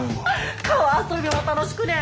川遊びも楽しくねえ